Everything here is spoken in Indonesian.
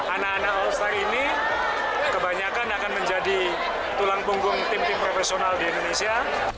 anak anak all star ini kebanyakan akan menjadi tulang punggung tim tim profesional di indonesia